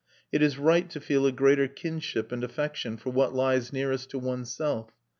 It is right to feel a greater kinship and affection for what lies nearest to oneself.